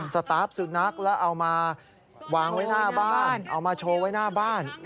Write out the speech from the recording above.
สตาร์ฟสุนัขแล้วเอามาวางไว้หน้าบ้านเอามาโชว์ไว้หน้าบ้าน